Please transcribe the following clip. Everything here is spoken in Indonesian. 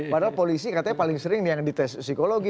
padahal polisi katanya paling sering yang di tes psikologi